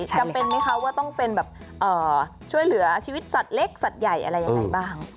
จำเป็นไหมคะว่าต้องเป็นแบบช่วยเหลือชีวิตสัตว์เล็กสัตว์ใหญ่อะไรยังไงบ้าง